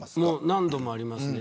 何度もありますね。